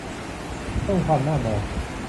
เพิ่มความน่ามอง